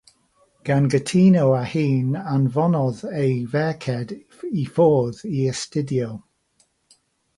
Gan gytuno â hyn, anfonodd ei ferched i ffwrdd i astudio.